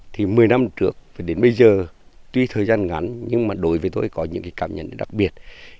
thì một mươi năm trước và đến bây giờ tuy thời gian ngắn nhưng mà đối với tôi có những cái cảm nhận đặc biệt